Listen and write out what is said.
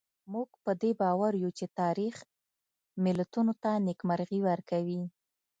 موږ په دې باور یو چې تاریخ ملتونو ته نېکمرغي ورکوي.